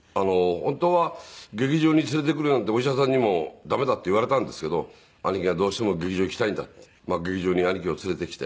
本当は劇場に連れてくるなんてお医者さんにも駄目だって言われたんですけど兄貴が「どうしても劇場に行きたいんだ」って劇場に兄貴を連れてきて。